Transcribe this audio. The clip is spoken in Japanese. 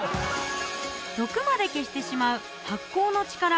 毒まで消してしまう発酵の力